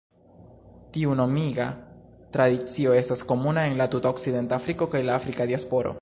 Tiu nomiga tradicio estas komuna en la tuta Okcidenta Afriko kaj la Afrika diasporo.